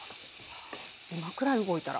はあ今くらい動いたら。